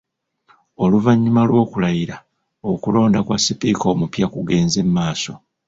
Oluvannyuma lw’okulayira, okulonda kwa Sipiika omupya kugenze maaso.